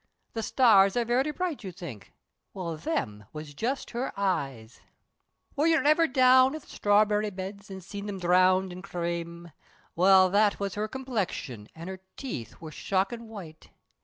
The stars are very bright, you think, Well thim was just her eyes Were you ever down at the strawberry beds, An' seen them dhrowned in chrame? Well that was her complexion, and Her teeth, wor shockin' white!